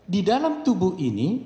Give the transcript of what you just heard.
di dalam tubuh ini